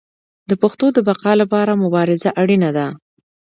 د پښتو د بقا لپاره مبارزه اړینه ده.